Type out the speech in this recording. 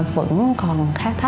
vẫn không được phát triển